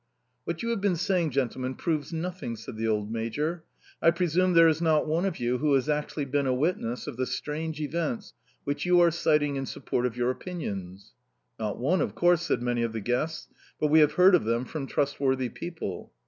"What you have been saying, gentlemen, proves nothing," said the old major. "I presume there is not one of you who has actually been a witness of the strange events which you are citing in support of your opinions?" "Not one, of course," said many of the guests. "But we have heard of them from trustworthy people."...